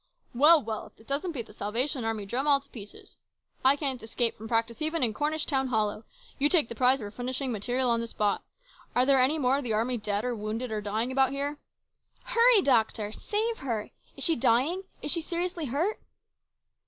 "Well! well! if this doesn't beat the Salvation Army drum all to pieces ! I can't escape from practice even in Cornish town hollow. You take the prize for furnishing material on the spot. Are there any more of the army dead or wounded or dying about here ?"" Hurry, doctor ! Save her ! Is she dying ? Is she seriously hurt